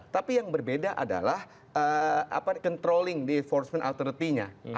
tapi yang berbeda adalah controlling di enforcement authority nya